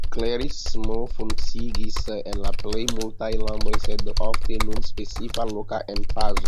Klerismo funkciigis en la plej multaj landoj, sed ofte kun specifa loka emfazo.